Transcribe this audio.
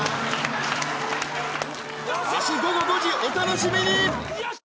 明日午後５時お楽しみに！